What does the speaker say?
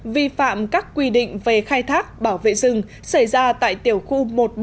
vi phạm các quy định về khai thác bảo vệ rừng xảy ra tại tiểu khu một trăm ba mươi